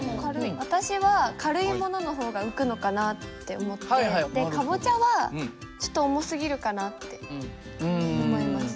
私は軽いモノの方が浮くのかなって思ってでかぼちゃはちょっと重すぎるかなって思います。